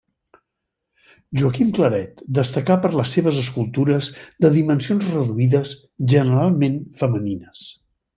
Joaquim Claret destacà per les seves escultures de dimensions reduïdes, generalment femenines.